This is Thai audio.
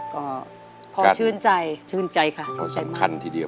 ก็พอชื่นใจชื่นใจค่ะชื่นใจมากพอสำคัญทีเดียว